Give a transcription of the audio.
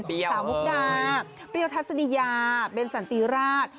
สามภุฆดาเปรี้ยวธัสนิยาเบนศัลตีราช